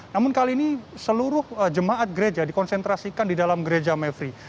namun kali ini seluruh jemaat gereja dikonsentrasikan di dalam gereja mevri